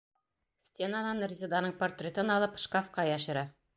Стенанан Резеданың портретын алып шкафҡа йәшерә.